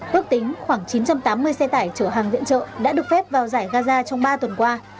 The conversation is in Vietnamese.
ước tính khoảng chín trăm tám mươi xe tải chở hàng viện trợ đã được phép vào giải gaza trong ba tuần qua